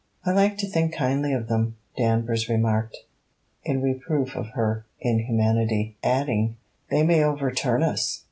'I like to think kindly of them,' Danvers remarked, in reproof of her inhumanity; adding: 'They may overturn us!'